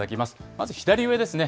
まず左上ですね。